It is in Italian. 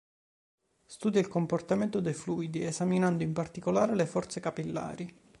Studia il comportamento dei fluidi, esaminando in particolare le forze capillari.